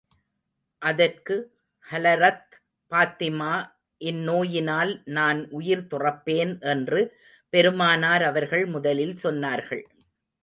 அதற்கு ஹலரத் பாத்திமா இந்நோயினால் நான் உயிர் துறப்பேன், என்று பெருமானார் அவர்கள் முதலில் சொன்னார்கள்.